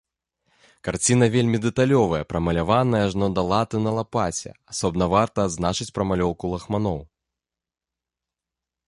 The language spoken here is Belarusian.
Карціна вельмі дэталёвая, прамаляваная ажно да латы на лапаце, асобна варта адзначыць прамалёўку лахманоў.